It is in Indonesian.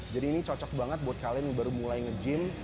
jadi ini cocok banget buat kalian yang baru mulai nge gym